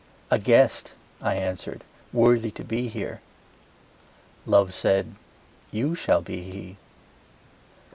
A guest, I answer'd, worthy to be here: Love said, You shall be he.